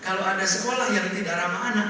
kalau ada sekolah itu memang seharusnya ramah anak